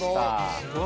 すごい。